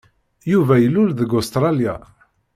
Yuba ilul deg Ustṛalya.